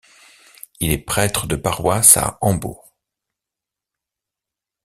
Il est prêtre de paroisse à Hambourg.